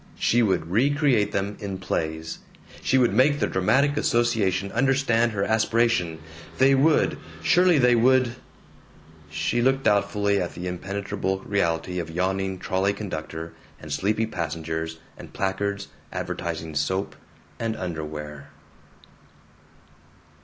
She would recreate them in plays! She would make the dramatic association understand her aspiration. They would, surely they would She looked doubtfully at the impenetrable reality of yawning trolley conductor and sleepy passengers and placards advertising soap and underwear.